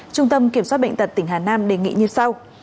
trung tâm kiểm soát bệnh tật tỉnh hà nam đề nghị như sau